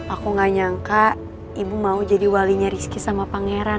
aku gak nyangka ibu mau jadi walinya rizky sama pangeran